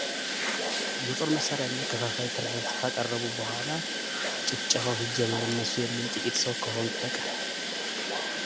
የጦር መሳሪያና ከፋፋይ ትርክት ካቀረቡ በኋላ ጭፍጨፋው ሲጀመር እነሱ የሉም ጥቂት ሰው ከሆኑት በቀር።